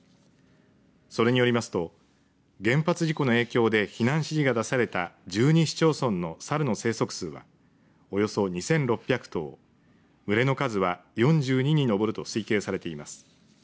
それによりますと原発事故の影響で避難指示が出された１２市町村のさるの生息数はおよそ２６００頭群れの数は４２に上ると推計されています。